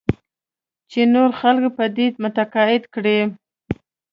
چې نور خلک په دې متقاعد کړې.